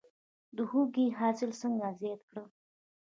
د هوږې حاصل څنګه زیات کړم؟